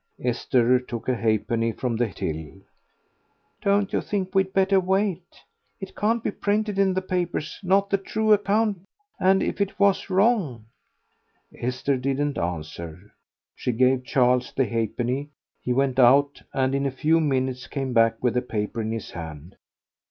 Esther took a halfpenny from the till. "Don't you think we'd better wait? It can't be printed in the papers, not the true account, and if it was wrong " Esther didn't answer; she gave Charles the halfpenny; he went out, and in a few minutes came back with the paper in his hand.